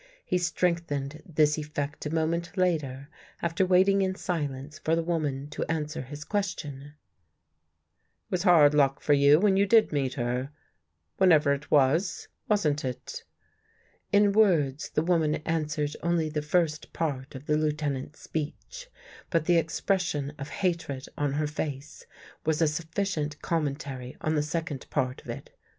He strengthened this effect a moment later, after waiting in silence for the woman to answer his question. " It was hard luck for you when you did meet her — whenever it was — wasn't it?" In words, the woman answered only the first part of the Lieutenant's speech, but the expression of hatred on her face was a sufficient commentary on the second part of it.